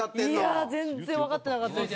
いや全然わかってなかったです。